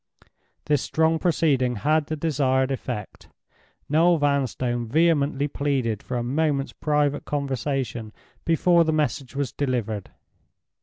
This strong proceeding had the desired effect. Noel Vanstone vehemently pleaded for a moment's private conversation before the message was delivered.